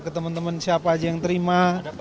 ke teman teman siapa aja yang terima